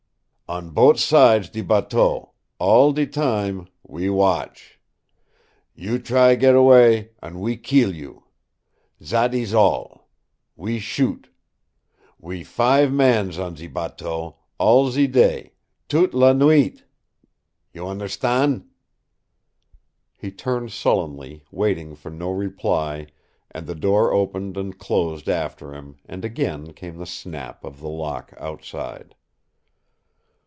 On bot' sides de bateau, all de time, we watch. You try get away, an' we keel you. Zat ees all. We shoot. We five mans on ze bateau, all ze day, TOUTE LA NUIT. You unnerstan'?" He turned sullenly, waiting for no reply, and the door opened and closed after him and again came the snap of the lock outside.